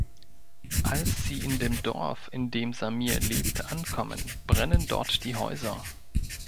Als sie in dem Dorf in dem Samir lebt ankommen, brennen dort die Häuser.